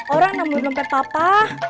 orang yang nemuin dompet papa